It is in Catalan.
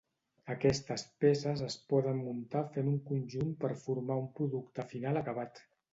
Aquestes peces es poden muntar fent un conjunt per formar un producte final acabat.